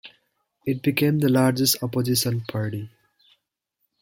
It became the largest opposition party.